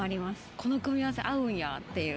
この組み合わせ合うんやっていう。